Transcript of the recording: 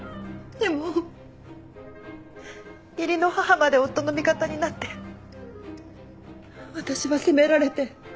でも義理の母まで夫の味方になって私は責められて。